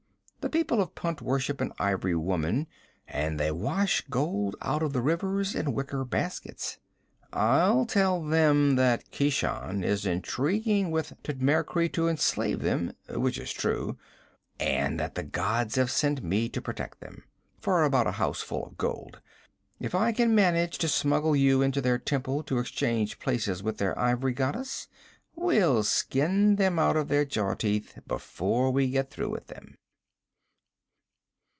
The people of Punt worship an ivory woman, and they wash gold out of the rivers in wicker baskets. I'll tell them that Keshan is intriguing with Thutmekri to enslave them which is true and that the gods have sent me to protect them for about a houseful of gold. If I can manage to smuggle you into their temple to exchange places with their ivory goddess, we'll skin them out of their jaw teeth before we get through with them!'